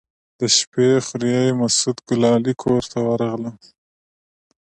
د شپې خوريي مسعود ګلالي کور ته ورغلم.